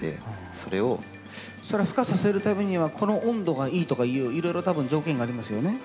それふ化させるためにはこの温度がいいとかいういろいろ多分条件がありますよね？